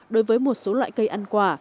đối với một số loại cây ăn quả